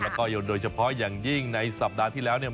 แล้วก็โดยเฉพาะอย่างยิ่งในสัปดาห์ที่แล้วเนี่ย